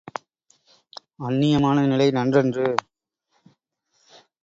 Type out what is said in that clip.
அந்நியமான நிலை நன்றன்று.